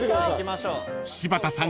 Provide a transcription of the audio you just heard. ［柴田さん